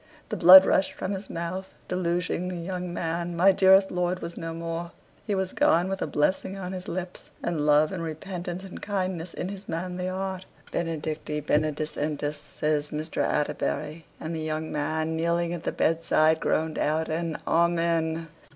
The blood rushed from his mouth, deluging the young man. My dearest lord was no more. He was gone with a blessing on his lips, and love and repentance and kindness in his manly heart. "Benedicti benedicentes," says Mr. Atterbury, and the young man, kneeling at the bedside, groaned out an "Amen."